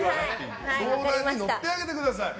相談に乗ってあげてください。